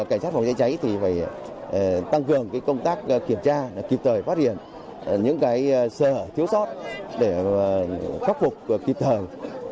cảnh sát phòng cháy chữa cháy thì phải tăng cường công tác kiểm tra kịp thời phát hiện những sở thiếu sót để khắc phục kịp thời